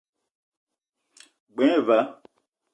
G-beu gne va.